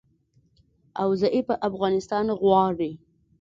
او ضعیفه افغانستان غواړي